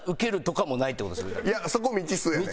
いやそこ未知数やねん。